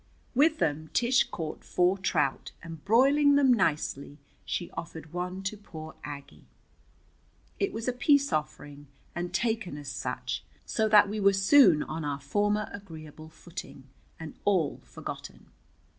With them Tish caught four trout and, broiling them nicely, she offered one to poor Aggie. It was a peace offering, and taken as such, so that we were soon on our former agreeable footing, and all forgotten.